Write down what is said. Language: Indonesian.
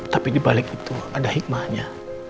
tapi dibalik itu ada hikmahnya